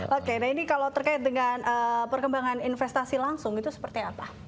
oke nah ini kalau terkait dengan perkembangan investasi langsung itu seperti apa